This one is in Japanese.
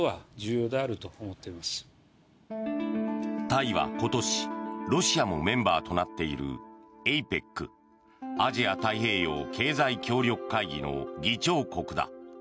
タイは今年ロシアもメンバーとなっているＡＰＥＣ・アジア太平洋経済協力会議の議長国だ。